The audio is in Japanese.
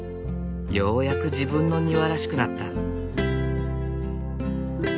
ようやく自分の庭らしくなった。